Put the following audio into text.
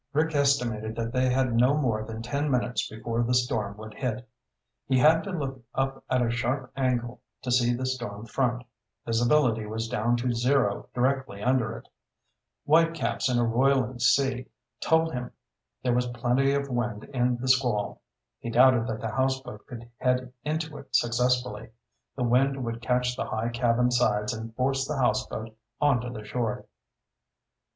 Rick estimated that they had no more than ten minutes before the storm would hit. He had to look up at a sharp angle to see the storm front. Visibility was down to zero directly under it. Whitecaps and a roiling sea told him there was plenty of wind in the squall. He doubted that the houseboat could head into it successfully. The wind would catch the high cabin sides and force the houseboat onto the shore.